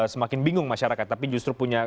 semakin bingung masyarakat tapi justru punya